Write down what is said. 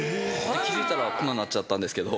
気付いたらこんなんなっちゃったんですけど。